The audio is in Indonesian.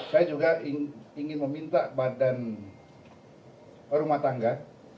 saya juga ingin meminta badan rumah tangga